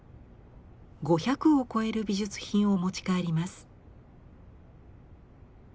５００を超える美術品を持ち帰ります。